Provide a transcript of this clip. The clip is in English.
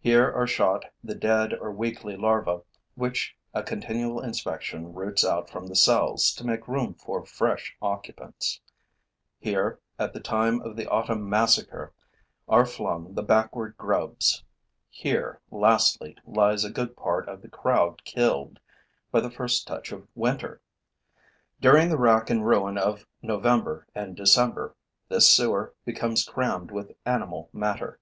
Here are shot the dead or weakly larvae which a continual inspection roots out from the cells to make room for fresh occupants; here, at the time of the autumn massacre, are flung the backward grubs; here, lastly, lies a good part of the crowd killed by the first touch of winter. During the rack and ruin of November and December, this sewer becomes crammed with animal matter.